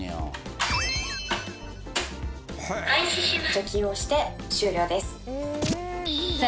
除菌をして終了です。